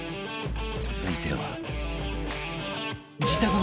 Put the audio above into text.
続いては